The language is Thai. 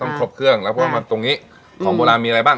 ครบเครื่องแล้วเพราะว่าตรงนี้ของโบราณมีอะไรบ้าง